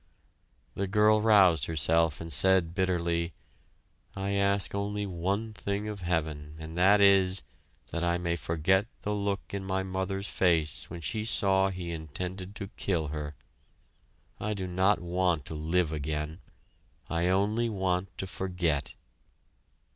The girl roused herself and said, bitterly: "I ask only one thing of heaven and that is, that I may forget the look in my mother's face when she saw he intended to kill her. I do not want to live again. I only want to forget!"